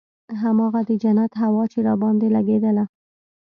هماغه د جنت هوا چې راباندې لګېدله.